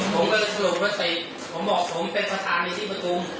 ผมก็สรุปว่าสิผมบอกผมเป็นภาษาในที่ประทุม